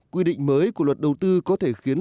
quy định mới của luật đầu tư có thể khiến